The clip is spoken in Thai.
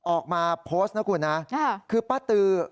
ออกมาโพสต์นะคุณนะคือป้าตือ